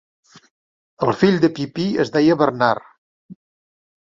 El fill de Pipí es deia Bernard.